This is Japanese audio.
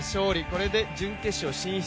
これで準決勝進出